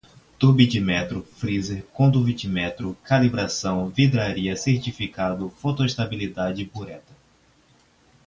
turbidímetro, freezer, condutivimetro, calibração, vidraria, certificado, fotoestabilidade, bureta